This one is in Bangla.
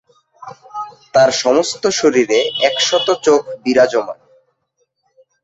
তার সমস্ত শরীরে একশত চোখ বিরাজমান।